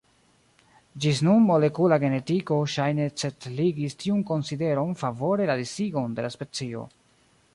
Ĝis nun molekula genetiko ŝajne setligis tiun konsideron favore la disigon de la specio.